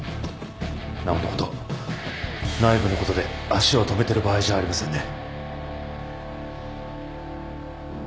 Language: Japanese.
なおのこと内部のことで足を止めてる場合じゃありませんね。